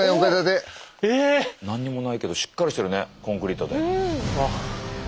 何にもないけどしっかりしてるねコンクリートで。